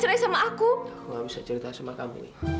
cerai sama aku aku gak bisa cerita sama kamu wi